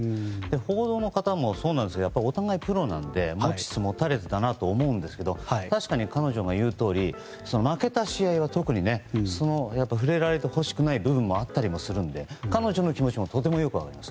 報道の方もそうですがお互いプロなので持ちつ持たれつだなと思うんですが確かに、彼女が言うとおり負けた試合は特に触れてほしくない部分もあったりするので彼女の気持ちもとてもよく分かります。